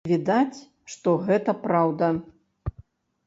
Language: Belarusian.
Відаць, што гэта праўда.